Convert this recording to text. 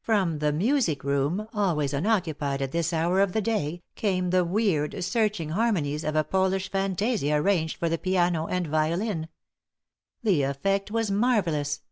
From the music room, always unoccupied at this hour of the day, came the weird, searching harmonies of a Polish fantasia arranged for the piano and violin. The effect was marvelous.